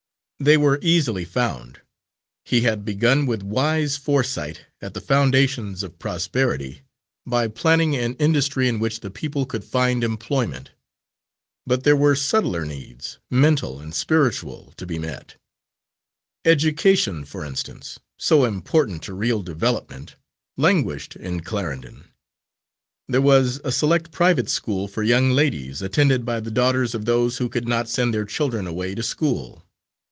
They were easily found. He had begun, with wise foresight, at the foundations of prosperity, by planning an industry in which the people could find employment. But there were subtler needs, mental and spiritual, to be met. Education, for instance, so important to real development, languished in Clarendon. There was a select private school for young ladies, attended by the daughters of those who could not send their children away to school.